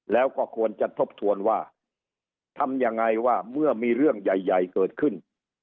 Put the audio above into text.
แล้วก็ควรจะทบทวนว่าทำยังไงว่าเมื่อมีเรื่องใหญ่เกิดขึ้น